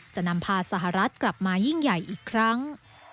จะนำพาสหรัฐกลับมายิ่งใหญ่อีกครั้ง